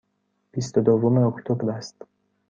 بیست و دوم اکتبر است.